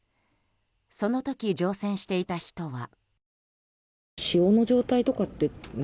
その時、乗船していた人は。